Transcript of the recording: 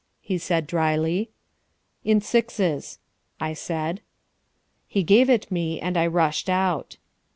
he asked dryly. "In sixes," I said. He gave it me and I rushed out.